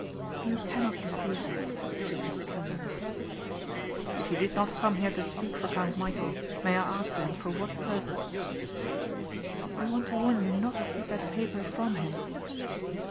"You cannot deceive me," she said tenderly. "If you did not come here to speak for Count Michæl, may I ask then for what purpose?" "I want to warn you not to keep that paper from him."